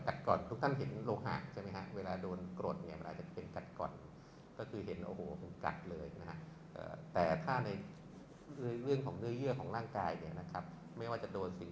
ถ้าถูกถั่งเห็นลหักใช่มั้ยคะเวลาโกรธมันจะเรียกเป็นดับกรด